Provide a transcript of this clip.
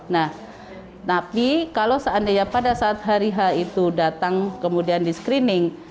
nah tapi kalau seandainya pada saat hari h itu datang kemudian di screening